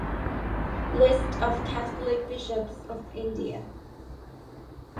List of Catholic bishops of India